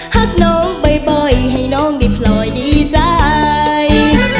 หักน้องบ่อยให้น้องได้พลอยดีใจ